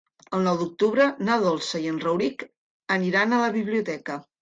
El nou d'octubre na Dolça i en Rauric aniran a la biblioteca.